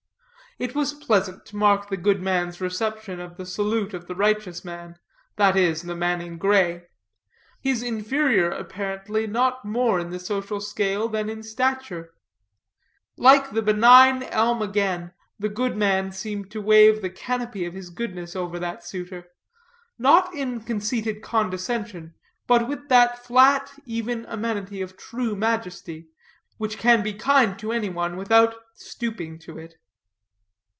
It was pleasant to mark the good man's reception of the salute of the righteous man, that is, the man in gray; his inferior, apparently, not more in the social scale than in stature. Like the benign elm again, the good man seemed to wave the canopy of his goodness over that suitor, not in conceited condescension, but with that even amenity of true majesty, which can be kind to any one without stooping to it.